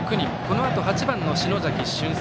このあと８番の篠崎、俊足。